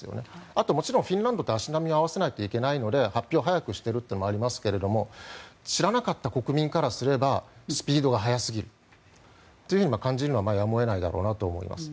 あともちろんフィンランドと足並みを合わせないといけないので発表を早くしているのもありますが知らなかった国民からすればスピードが速すぎると感じるのはやむを得ないだろうなと思います。